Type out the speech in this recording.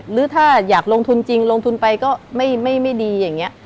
หรือถ้าอยากลงทุนจริงลงทุนไปก็ไม่ดีอย่างนี้